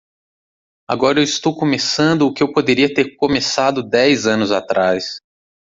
Agora eu estou começando o que eu poderia ter começado dez anos atrás.